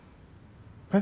え。